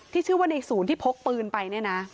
ที่ชื่อว่าในศูนย์ที่ปกปืนไป